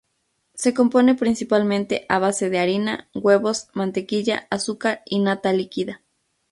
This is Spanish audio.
Se compone principalmente a base de harina, huevos, mantequilla, azúcar y nata líquida.